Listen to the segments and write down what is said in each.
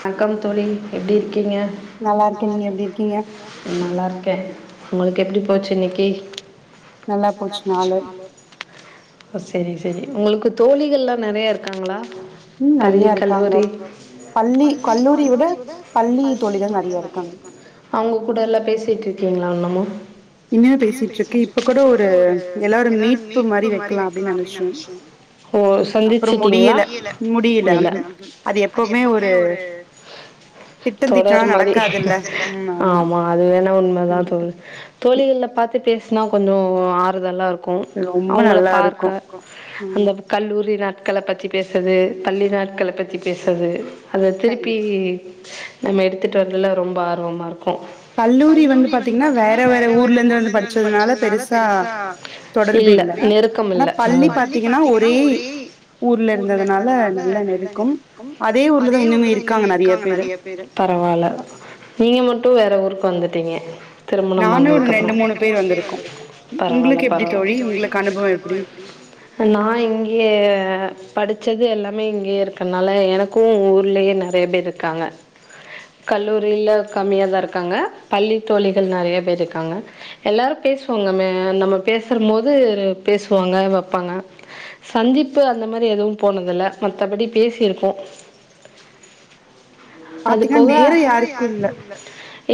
வணக்கம் தோழி எப்டி இருக்கீங்க நல்லாருக்கே நீங்க எப்டி இருக்கீங்க நல்லாருக்கே உங்களுக்கு எப்டி போச்சு இன்னைக்கு நல்லாப் போச்சு நாளு செரி செரி உங்களுக்கு தோழிகள்லா நெறைய இருக்காங்களா ம் நெறைய இருக்காங்க பள்ளி கல்லூரி விட பள்ளி தோழிகள் நெறைய இருக்காங்க அவுங்க கூடெல்லா பேசிட்ருக்கீங்களா இன்னமு இன்னு பேசிட்ருக்கே இப்ப கூட ஒரு எல்லாரு மீட்பு மாரி வைக்கலா அப்டின்னு நெனச்சோ ம் அப்பறோ முடியல முடியல ம் அது எப்பவுமே ஒரு திட்டோ தீட்னா நடக்காதுல்ல ம் ஆமா கண்டிப்பா தோழிகள்ல பாத்து பேசுனா கொஞ்சோ ஆறுதலா இரு க்கு அவுங்கள பார்க்க அந்தப் கல்லூரி நாட்களப் பத்தி பேசுது பள்ளி நாட்களப் பத்திப் பேசுது அத திருப்பி நம்ம எடுத்துட்டு வரதுல ரொம்ப ஆர்வமா இருக்கோ கல்லூரி வந்துப் பாத்திங்ன்னா வேற வேற ஊர்லந்து வந்து படிச்சதுனாலப் பெருசா இல்ல நெருக்கம் இல்ல உம் பள்ளிப் பாத்தீங்கனா ஒரே ஊர்ல இருந்ததுனால நல்ல நெருக்கும் அதே ஊர்லதா இன்னுமே இருக்காங்க நிறையா பேரு பரவால்ல நீங்க மட்டும் வேற ஊருக்கு வந்துட்டீங்க திருமணமானதுக்கு அப்புறம் நானு ரெண்டு மூணு பேரும் வந்திருக்கோ பரவால்ல பரவால்ல உங்களுக்கு எப்படி தோழி உங்களுக்கு அனுபவம் எப்படி நா இங்கேயே படிச்சது எல்லாமே இங்கேயே இருக்கனால எனக் கும் ஊர்லேயே நிறைய பேர் இருக்காங்க கல்லூரியில கம்மியாதா இருக்காங்க பள்ளி தோழிகள் நிறையா பேரு இருக்காங்க எல்லாரும் பேசுவாங்க மே நம்ம பேசுறும் போது பேசுவாங்க வைப்பாங்க சந்திப்பு அந்த மாரி எதுவும் போனதுல மத்தபடி பேசிருக்கோம் அது போக வேற யாருக்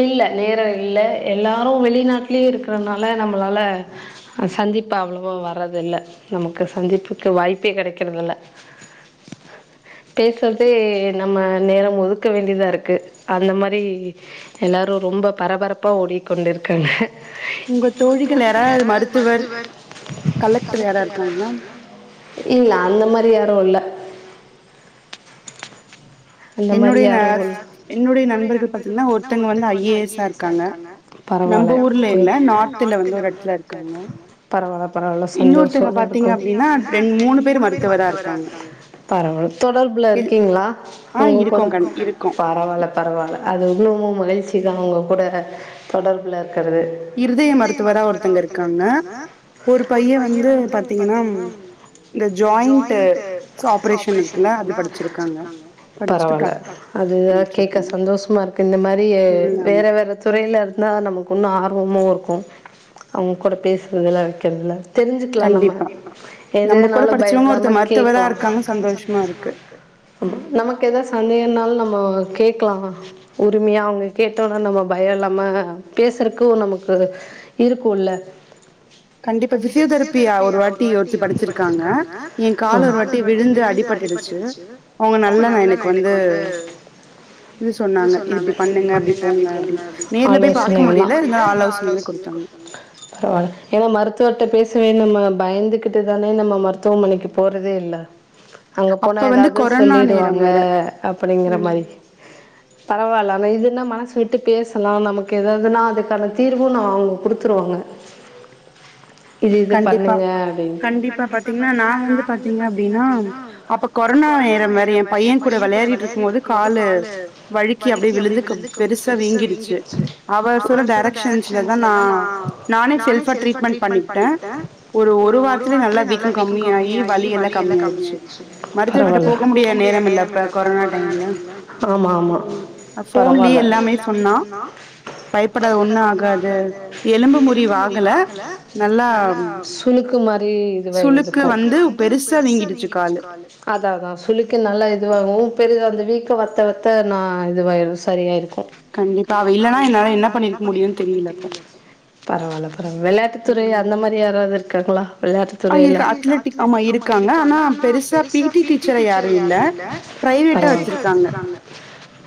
இல்ல நேரம் இல்ல எல்லாரும் வெளிநாட்லேயே இருக்கறனால நம்பளால ஆ சந்திப்பா அவ்வளவா வர்றது இல்ல நமக்கு சந்திப்புக்கு வாய்ப்பே கிடைக்கறதில்ல பேசுறதே நம்ம நேரம் ஒதுக் க்க வேண்டியதா இருக்கு அந்த மாரி எல்லாரும் ரொம்ப பரபரப்பா ஓடீ கொண்டு இருக்காங்க உங்க தோழிகள் யாராவ மருத்துவர் கலெக்டர் யாரா இருக்காங்கனா இல்ல அந்த மாரி யாரும் இல்ல அந்த மாரி யா ஆ என்னுடைய நண்பர்கள் பாத்தீங்கன்னா ஒருத்தங்க வந்து ஐ ஏ எஸ்ஸா இருக்காங்க பரவால்ல நம்ம ஊர்ல இல்ல நார்த் லா ஒரு இடதுல இருக்காங்க பரவால்ல பரவால்ல சந்தோசம் இப்போ பாத்தீங்க மூணு பேரு மருத்துவராக பரவல்ல தொடர்புல இருக்கீங்ளா ஆ இருக்கோம் கண் இருக்கோம் பரவால்ல பரவால்ல அது இன்னமும் மகிழ்ச்சிக்கு அவங்க கூட தொடர்புல இருக்கிறது இருதய மருத்துவரா ஒருத்தங்க இருக்காங்க ஒரு பையன் வந்து பாத்தீங்கன்னா இந்த ஜாய்ண்ட்டு ஆபரேஷன் இருக்குல்ல அது படிச்சிருக்காங்க பரவால இத கேக்க சந்தோசமா இருக்கு இந்த மாரி வேற வேற துறையில இருந்தா நமக்கு உன்னும் ஆர்வம இருக்கும் அவங்க கூட பேசுறதலா வைக்கிறதுல்ல தெரிஞ்சுக்கலா நம்ம எதுனாலும் பயப்படாம கேக்கலாம் நமக்கு ஏதா சந்தேகம்னாலு நம்ம கேக்கலா உரிமையா அவங்க கேட்டாங்க நம்ம பயோ இல்லாம பேசுறக்கு நமக்கு இருக்குள்ள கண்டிப்பா பிசியோதரபியா ஒரு வாட்டி ஒருத்து படிச்சிருக்காங்க நீ கால ஒரு வாட்டி விழுந்து அடி பட்டிருச்சு அவங்க நல்ல எனக்கு வந்து இது சொன்னாங்க இப்படி பண்ணுங்க அப்படி போங்க அப்படி ஆலோசனைையிலே கொடுக்கங்க ஏன்னா மருத்துவர்ட்ட பேசவே நம்ம பயந்துகிட்டு தானே நம்ம மருத்துவமனைக்கு போறதே இல்ல அங்க போனா ஏதாவது சொல்லிடுவாங்க அப்படிங்கிற மாரி பரவால்ல அங்க இதுனா மனசு விட்டு பேசலாம் நமக்கு எதாவதுன்னா அதுக்கான தீர்வும் நம்ம அங்க குடுத்துருவாங்க இது இதப் பண்ணுங்க அப்படின்னுட்டு கண்டிப்பா பாத்தீங்ன்னா நா வந்து பாத்தீங்க அப்டினா கொரோனா நேரம் வேர எ பையன் கூட விளையாடிட்டு இருக்கும் போது காலு வழுக்கி அப்படியே விழுந்து கப் பெருசா வீங்கிடுச்சு அவர் சொல்ல டேரெக் கரக்ஷன்ஸ்ல தா நானே செல்ஃபா ட்ரீட்மெண்ட் பண்ணிக்கிட்டே ஒரு ஒரு வாரத்துலயே நல்லா வீக்க கம்மிய ஆகி வலி எல்லா கம்மியாயிடுச்ச போக முடியாத நேரம் ஆமா ஆமா பரவாயில்ல பயப்படாத ஒண்ணு ஆகாது எலும்பு முறிவு ஆகல நல்ல சுணக்கு மாரி இதுவே இருக்கு பெருசா நீங்கி அத அதான் சுளுக்கு நல்லா இதுவாகவு பெரிதா வந்து வீக்க வத்த வத்த நான் இது வ சரியாருக்கு கண்டிப்பா அவ இல்லனா என்னால என்ன பண்ணிருக்க முடியும்ன்னனு தெரியலப்ப பரவாயில்ல பரவாயல விளையாட்டுத்துறை அந்த மாரி யாராவது இருக்காங்களா விளையாட்டுத்துறையில அத்லெட்டிக் ஆமா இருக்காங்க ஆனா பெருசா பிடி டீச்சர் யாரு இல்லை பிரைவேட்டா வச்சிருக்கு வச்சிருக்காங்க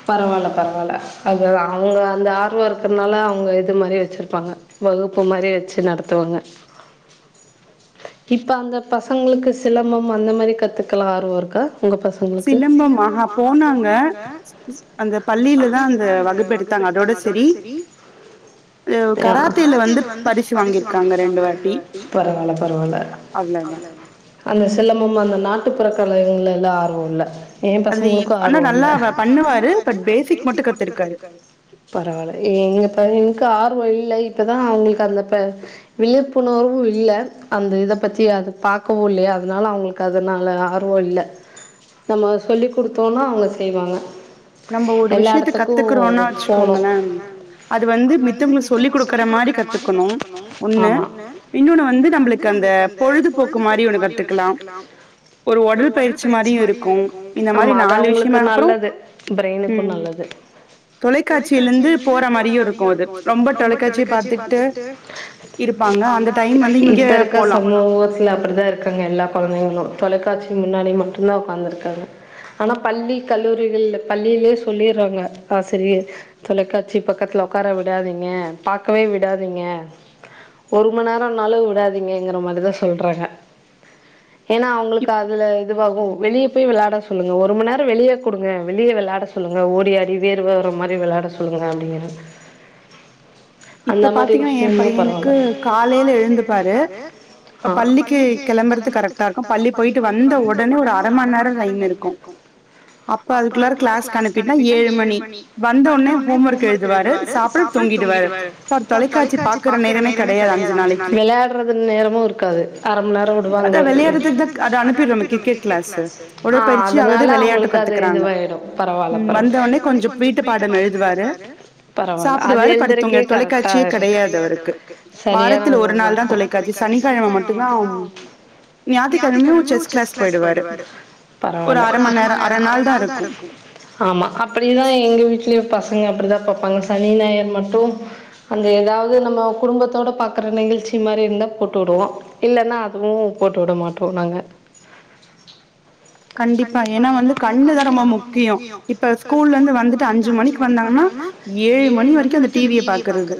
பரவாயில்ல பரவாயில்ல அது அவங்க அந்த ஆர்வம் இருக்கறனால அவங்க இது மாரி வச்சுருப்பாங்க வகுப்பு மாரி வச்சு நடத்துவாங்க இப்ப அந்த பசங்களுக்கு சிலம்பம் அந்த மாரி கத்துக்கலா ஆர்வம் இருக்கா உங்க பசங்க உங்களுக்கு சிலம்பமாக போனங்க அந்த பள்ளியில தா அந்த வகுப்பு எடுத்தாங்க அதோட சேரி கராத்தையில வந்து பரிசு வாங்கிருக்காங்க ரெண்டு வாட்டி பரவாயில்ல பரவாயில்ல அவ்வளோதா அந்த சிலமம் அந்த நாட்டுப்புற கலைகங்கள்ல எல்லா ஆர்வம் இல்ல என் பசங்களுக்கு ஆனா நல்லா பண்ணுவாரு பட் பேசிக் மட்டும் கத்துருக்காரு பரவாயில்ல எங்க எங்கக்கு ஆர்வம் இல்ல இப்போ தா அவங்களுக்கு அந்த ப விழிப்புணர்வு இல்ல அந்த இதை பத்தி அத பாக்கவு இல்லேயே அதனால அவங்களுக்கு அதனால ஆர்வம் இல்லை நம்ம சொல்லி் கொடுத்தோனா அவங்க செய்வாங்க எல்லா இடத்துக்கு போணோ அது வந்து மித்தவங்க சொல்லி் கொடுக்கற மாரி கத்துக்கணு இல்ல ஆமா இன்னொன்னு வந்து நம்மளுக்கு அந்த பொழுதுபோக்கு மாரி ஒன்னு கத்துக்கலா ஒரு உடல் பயிற்சி மாரியு இருக்கு இந்த மாரி நாலு விஷயமா அப்பறோ பிரெயினுக்கு நல்லது தொலைக்காட்சியில இருந்து போற மாரியு இருக்கு அது ரொம்ப தொலைக்காட்சி பாத்துட்டு இருப்பாங்க அந்த டைம்ல இப்ப இருக்க சம்பவ எல்லா அப்டிதா இருக்காங்க எல்லா குழந்தைகளு தொலைக்காட்சி முன்னாடி மட்டும்தா உட்காந்துருக்காங்க ஆனா பள்ளி கல்லூரிகள்ல பள்ளியிலே சொல்லிட்றாங்க ஆசிரியர் தொலைக்காட்சி பக்கத்துல ஒக்கார விடாதீங்க பாக்கவே விடாதீங்க ஒரு மணி நேரம்னாலு விடாதீங்கிற மாரிதா சொல்றாங்க ஏனா அவுங்ளுக்கு அதுல இதுவாகு வெளியே போய் விளாட சொ சொல்லுங்க ஒரு மணிநேரொ வெளியே குடுங்க வெளியே வெளாட சொல்லுங்க ஓடியாடி வேர் வர்ற மாரி வெளாட சொல்லுங்க அப்டிங்கிற [inaudible] இப்ப பாத்தீங்கனா ஏ பையனுக்கு காலேயல எழுந்துப்பாரு பள்ளிக்கு கெளம்புறது கரெக்டா இருக்கு பள்ளி போயிட்டு வந்த ஒடனே ஒரு அர மணி நேரொ டைம் இருக் இருக்கும் அப்ப அதுக்குள்ளார கிளாஸ் அனுப்பிட்டு ஏழு மணி வந்த ஒன்னே ஹோம் ஒர்க் எழுதுவாரு சாப்ட அதுக்குல் தூங்கிடுவாரு அப்ப தொலைக்கட்சி பாக்கற நேரேமே கிடயாது அச்சு நாளைக்கு வெளாடறது நேரமு இருக்காது அர மணி நேரொ விடுவாங்அந்த நேரத்துக்குஅத டிக்கெட் க்ளாஸ் ஆ அதனால அவங்களுக்கு அது இதுவாயிடு பரவால்ல பரவால்ல வந்த ஒடனே கொஞ்சு வீட்டு பாடோ எழுதுவாரு பரவால்ல அது எல்தர்க்கே கர ஆ லீவு கெடையாது அவருக்கு சரி வாரத்துல ஒரு நாள் தா தொலைக்காட்சி சனிக்கெழம மட்டுந்தா அவுங்க ஞாயித்துக்கெழமையு செஸ் கிளாஸ் போய்டுவாரு ஒரு அர மணி நேரோ அர நாள் தா இருக்கு ஆமா அப்படி தா எங்க வீட்லையு பசங்க அப்படிதா பாப்பாங்க சனி ஞாயர் மட்டு அந்த எதாவது நம்ம குடும்பத்தோடு பாக்குற நிகழ்ச்சி மாரி இருந்தா போட்டு விடுவோ இல்லென்னா அதுவு போட்டு விட மாட்டோ நாங்க கண்டிப்பா ஏன்னா வந்து கண்ணுதா ரொம்ப முக்கியோ இப்ப ஸ்கூல்ல இருந்து வந்துட்டு அஞ்சு மணிக்கு வந்தாங்கன்னா ஏழு மணி வரைக்கு அந்த டி விய பாக்குறது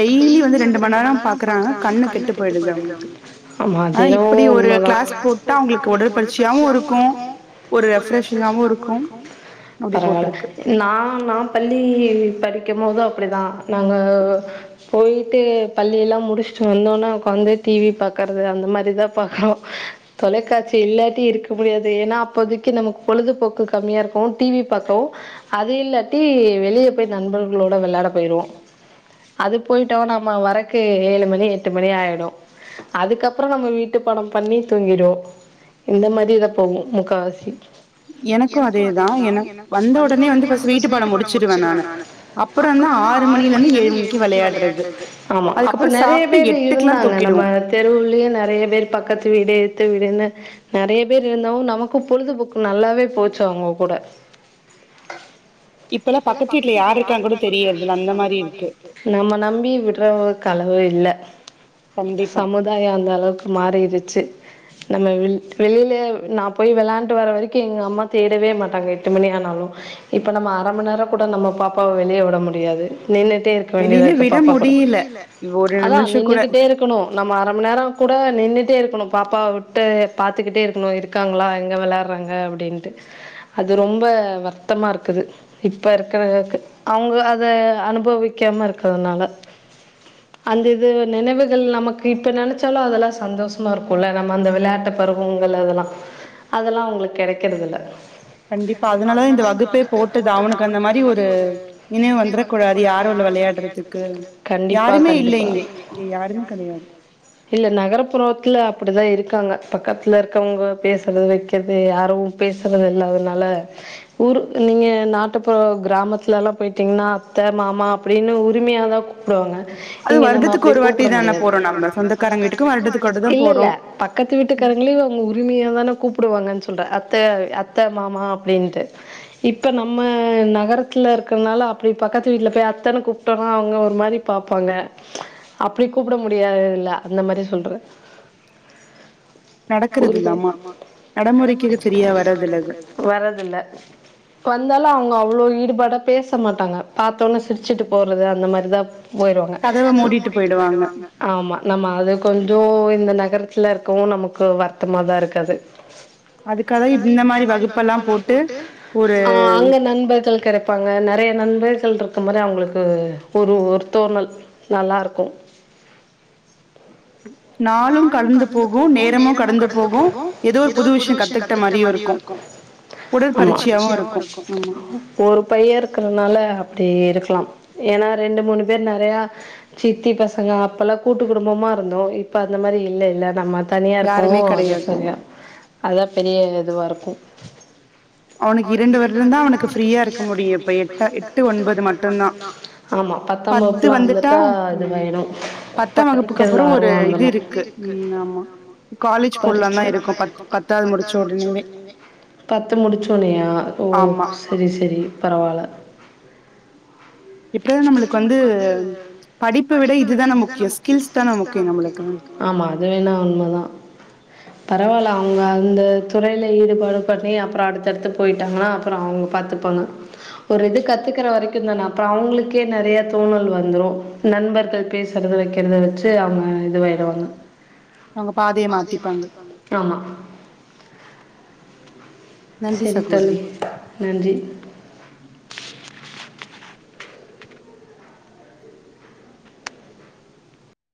டெய்லி வந்து ரெண்டு மணி நேரோ பாக்குறாங்க கண்ணு கெட்டு போயிடுது அவங்களுக்கு ஆமா அது என்னவோ உண்ம தா இருக்கு ஒரு ரெவெரெசிங்காவு இருக்கு பரவால்ல நா நா பள்ளி படிக்கும் போது அப்படிதா நாங்க போயிட்டு பள்ளி எல்லா முடிச்சுட்டு வந்தோனா உட்காந்து டி வி பாக்குறது அந்த மாதிரிதா பாக்குறோ தொலைக்காட்சி இல்லாட்டி இருக்க முடியாது ஏன்னா அப்போதைக்கு நமக்கு பொழுதுபோக்கு கம்மியா இருக்கு டி வி பாக்கவு அத இல்லாட்டி வெளியே போய் நண்பர்களோட வெளையாட போயிருவோ அது போயிட்டாவோ நம்ம வரக்கு ஏழு மணி எட்டு மணி ஆயிடு அதுக்கப்புறோ நம்ம வீட்டு படம் பண்ணி தூங்கிருவோ இந்த மாதிரி போகு முக்காவாசி எனக்கு அதேதா எனக்கு வந்த ஒடனே வந்து பஸ்டு வீட்டு படோ முடிச்சிடுவே நானு அப்புறோ ஆறு மணில இருந்து ஏழு மணிக்கு விளையாடுறது ஆமா அப்ப நிறைய பேர் இருந்தாங்க நம்ம தெருலேயே நெறைய பேர் பக்கத்து வீடு எதுத்த வீடுனு நெறைய பே இருந்தாவு நமக்கு பொழுதுபோக்கு நல்லாவே போச்சு அவங்க கூட இப்பெல்லா பக்கத்து வீட்டுல யாரு இருக்காங்கனு கூட தெரியறதுல அந்த நம்ம நம்பி விடுற கலவு இல்ல சம சமுதாயோ அந்த அளவுக்கு மாறிருச்சு நம்ம வெளி வெளியில் நா போய் வெளையாண்டுட்டு வர வரைக்கு எங்க அம்மா தேடவே மாட்டாங்க எட்டு மணி ஆனாலு இப்ப நம்ம அர மணி நேரோ கூட நம்ம பாப்பாவ வெளியே விட முடியாது நின்னுட்டே இரு இருக்க வேண்டியதா இப்ப பாப்பா கூட அதா நின்னுக்கிட்டே இரு க்கணு நம்ம அரை மணி நேரோ கூட நின்னுட்டே இருக்கணு பாப்பா விட்டு பாத்துக்கிட்டே இருக் இருக்கனு இருக்காங்களா எங்க வெளாடுறாங்க அப்படின்ட்டு அது ரொம்ப வருத்தமா இருக்குது இப்ப இருக்கறக்கு அவங்க அத அனுபவிக்காம இருக்கிறதுனால அந்த இது நினைவுகள் நமக்கு இப்போ நெனச்சாலுமே அதெல்லா சந்தோஷமா இருக்குல்ல நம்ம அந்த விளையாட்டு பருவோ கள் இதெல்லா அதெல்லா அவங்களுக்கு கெடைக்கறத இல்ல கண்டிப்பா அதனாலதா இந்த வகுப்பே போட்டது அவனுக்கு அந்த மாரி ஒரு நினைவு வந்துர கூடாது யாரு இல்ல வெளையாடுறது துக்கு யாருமே இல்ல இங்க இங்க யாருமே கெடையாது இல்ல நகர்புறத்தில அப்படி தா இருக்காங்க பக்கத்து துல இருக்கவங்க பேசுறது வெக்கிறது யாரு பேசுறது இல்ல அதனால ஊரு நீங்க நாட்டுப்புற கிராமத்துல எல்லா போயிட்டீங்கன்னா அத்தை மாமா அப்படின்னு உரிமையாதா கூப்பிடுவாங்க இங்க நம்ம அப்டி கூப்பிட முடியாது இல்ல இல்ல பக்கத்து வீட்டுக்கா லியு அவங்க உரிமையா தானே கூப்பிடுவாங்கன்னு சொல்ற அத்த அத்த மாமா அப்படின்ட்டு இப்ப நம்ம நகரத்துல இருக்கறனால அப்படி பக்கத்து வீட்டுல போய் அத்தேனு கூப்பிட்டோனா அவங்க ஒரு மாரி பாப்பாங்க அப்படி கூப்பிட முடியாது இதுல அந்த மாரி சொல்றே ஒரு [unintelligible] வரதுல்ல வந்தாலு அவுங்க அவ்வளோ ஈடுபாடா பேச மாட்டாங்க பாத்தோன்னே சிரிச்சுட்டு போறது அந்த மாரிதா போயிருவாங்க ஆமா நம்ம அது கொஞ்சோ இந்த நகரத்துல இருக்கவு நமக் கு வருத்தமா தா இருக்கு அது ஆ அங்க நண்பர்கள் கெறப் பாங்க நெறைய நண்பர்கள் இருக்கும் போது அவுங்களுக்கு ஒரு ஒரு தோணல் நல்லாருக்கு நாளும் கடந்து போகு நேரமு கடந்து போகு ஏதோ புது விஷய கத்துக்கிட்ட மாரியு இருக்கு ஆமா ரொம்ப மகிழ்ச்சியாவு இருக்கு ஒரு பைய இருக்கறனால அப்டி இருக்கலாம் ஏன்னா ரெண்டு மூணு பேர் நறையா சித்தி பசங்க அப்பெல்லா கூட்டுக் குடும்பமா இருந்தோ இப்ப அந்த மாரி இல்லேல்ல நம்ம தனியா இருக்கவு அது சரியா அதா பெரிய இதுவா இருக்கு அவனுக்கு இரண்டு வருடம்தான் அவனுக்கு இரண்டு வருடந்தா அவனுக்கு ஃப்ரீயா இருக்க முடியு இப்ப எட்டா எட்டு ஒன்பது மட்டுந்தா ஆமா பத்தாம் வகுப்புலா வந்துட்டா இதுவாயிடு பத்தாம் வகுப்புக்கு அப்புறோ ஒரு இது இருக்கு ம் ஆமா காலேஜ் போட்லான் தா இருக்கோ பத் பத்தாவது முடிச்ச ஒடனேவே பத்து முடிச்சோன்னேயா ஓ செரி செரி பரவாயில்ல இப்டிதா நம்மளுக்கு வந்து படிப்ப விட இதுதானே முக்கிய ஸ்கில்ஸ் தானே முக்கிய நம்மளுக்கு ஆமா அது வேணா உண்மதா பரவாயில்ல அவுங்க அந்த துறையில ஈடுபாடு பண்ணி அப்புற அடுத்தடுத்து போய்ட்டாங்கன்னா அப்புற அவுங்க பாத்து ப்பாங்க ஒரு இது கத்துக்கற வரைக்குந்தான அப்புற அவங்களுக்கே நறைய தோணல் வந்துரு நண்பர்கள் பேசுறத வக்கிறத வச்சு அவுங்க இதுவாயிடுவாங்க ஆமா செரி தோழி நன்றி